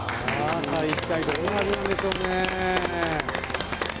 一体どんな味なんでしょうね。